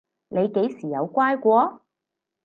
你幾時有乖過？